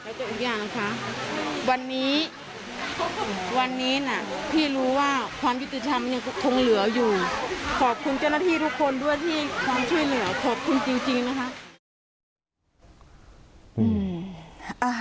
แล้วทุกอย่างค่ะวันนี้วันนี้น่ะพี่รู้ว่าความยุติธรรมยังคงเหลืออยู่ขอบคุณเจ้าหน้าที่ทุกคนด้วยที่ความช่วยเหลือขอบคุณจริงนะคะ